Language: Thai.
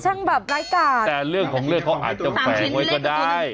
แบบร้ายกาดแต่เรื่องของเรื่องเขาอาจจะแฝงไว้ก็ได้